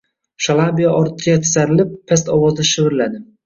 Shalabiya ortga tisarilib, past ovozda shivirladi